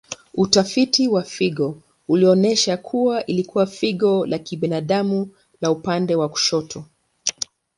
Utafiti wa figo ulionyesha kuwa ilikuwa figo la kibinadamu la upande wa kushoto.